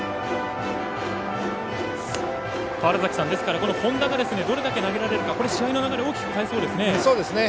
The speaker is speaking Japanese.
この本田がどれだけ投げられるか試合の流れ大きく変えそうですね。